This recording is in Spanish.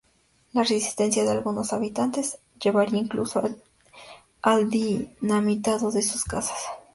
La resistencia de algunos habitantes llevaría incluso al dinamitado de sus casas.